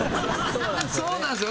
そうなんすよ。